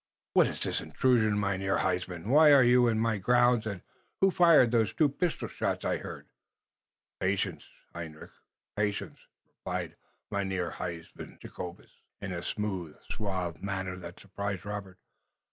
"What is this intrusion, Mynheer Huysman? Why are you in my grounds? And who fired those two pistol shots I heard?" "Patience, Hendrik! Patience!" replied Mynheer Jacobus, in a smooth suave manner that surprised Robert.